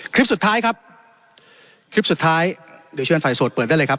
คลิปสุดท้ายครับคลิปสุดท้ายเดี๋ยวเชิญฝ่ายโสดเปิดได้เลยครับ